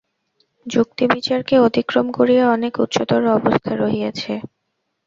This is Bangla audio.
যুক্তিবিচারকে অতিক্রম করিয়া অনেক উচ্চতর অবস্থা রহিয়াছে।